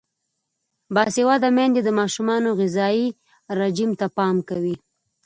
باسواده میندې د ماشومانو غذايي رژیم ته پام کوي.